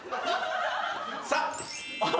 さあ。